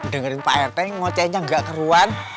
dengerin pak rt ngocenya ga keruan